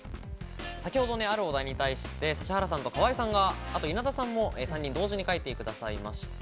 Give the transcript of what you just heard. あるお題に対して指原さんと河井さん、稲田さんが３人同時に書いてくれました。